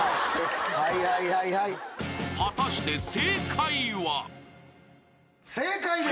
［果たして］正解です。